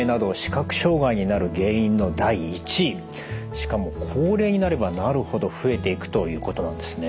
しかも高齢になればなるほど増えていくということなんですね。